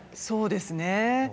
そうですね。